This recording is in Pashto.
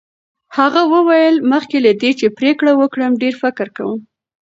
هغې وویل، مخکې له دې چې پرېکړه وکړم ډېر فکر کوم.